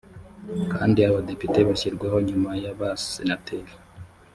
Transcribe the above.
kandi abadepite bashyirwaho nyuma y’abasenateri